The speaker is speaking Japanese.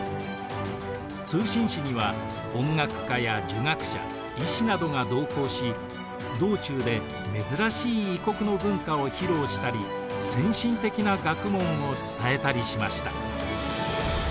通信使には音楽家や儒学者医師などが同行し道中で珍しい異国の文化を披露したり先進的な学問を伝えたりしました。